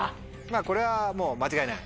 これはもう間違いない？